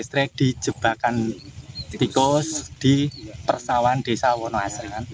listrik di jebakan tikus di persawan desa wonoase